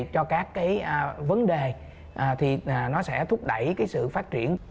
cho các cái vấn đề thì nó sẽ thúc đẩy cái sự phát triển